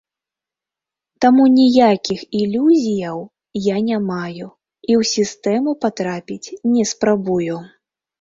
Таму ніякіх ілюзіяў я не маю і ў сістэму патрапіць не спрабую.